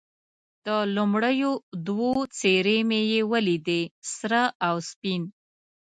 د لومړیو دوو څېرې مې یې ولیدې، سره او سپین.